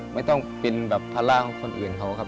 ไม่ต้องเป็นภาระคนเหินเขาครับ